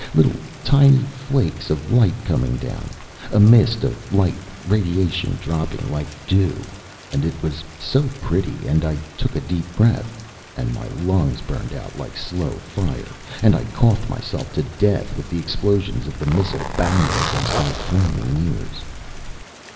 Little tiny flakes of light coming down, a mist of light, radiation dropping like dew; and it was so pretty, and I took a deep breath. And my lungs burned out like slow fire, and I coughed myself to death with the explosions of the missile banging against my flaming ears....